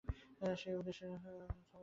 আর সেই উদ্দেশ্য সম্বন্ধে আলোচনা করা চমকপ্রদ।